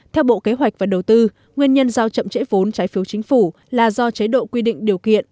theo bộ kế hoạch và đầu tư nguyên nhân giao chậm trễ vốn trái phiếu chính phủ là do chế độ quy định điều kiện